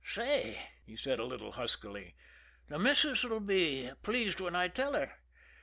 "Say," he said a little huskily, "the missus 'll be pleased when I tell her.